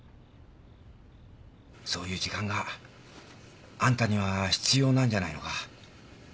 そういう時間があんたには必要なんじゃないのか。